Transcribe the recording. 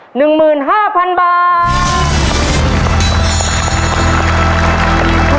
ภายในเวลา๓นาที